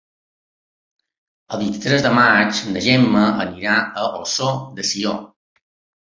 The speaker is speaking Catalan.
El vint-i-tres de maig na Gemma anirà a Ossó de Sió.